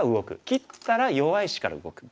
切ったら弱い石から動く。